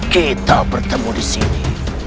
kita bertemu disini